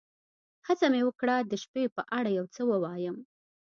هڅه مې وکړه د شپې په اړه یو څه ووایم.